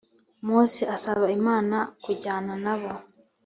mose asaba imana kujyana na bo